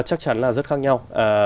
chắc chắn là rất khác nhau